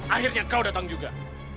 akhirnya kau datang juga